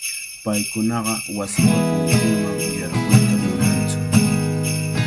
Paykunaqa wasipa punkunman yarquyta munantsu.